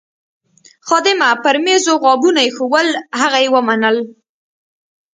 خادمه پر میزو غابونه ایښوول، هغه یې ومنل.